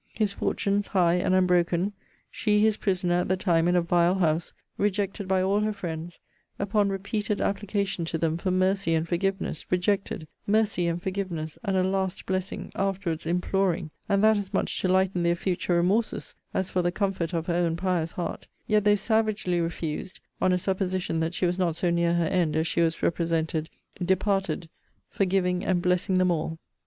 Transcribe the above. His fortunes high and unbroken. She his prisoner at the time in a vile house: rejected by all her friends; upon repeated application to them, for mercy and forgiveness, rejected mercy and forgiveness, and a last blessing, afterwards imploring; and that as much to lighten their future remorses, as for the comfort of her own pious heart yet, though savagely refused, on a supposition that she was not so near her end as she was represented departed, forgiving and blessing them all!